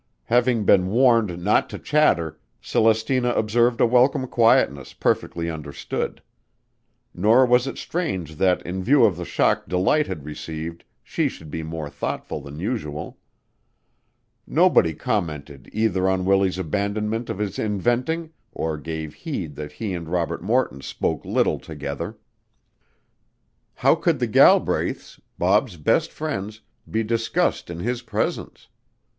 Having been warned not to chatter, Celestina observed a welcome quietness perfectly understood. Nor was it strange that in view of the shock Delight had received she should be more thoughtful than usual. Nobody commented either on Willie's abandonment of his inventing, or gave heed that he and Robert Morton spoke little together. How could the Galbraiths, Bob's best friends, be discussed in his presence?